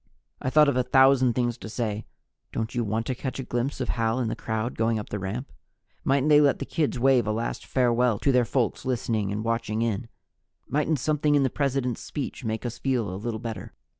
I thought of a thousand things to say: Don't you want to catch a glimpse of Hal in the crowd going up the ramp? Mightn't they let the kids wave a last farewell to their folks listening and watching in? Mightn't something in the President's speech make us feel a little better?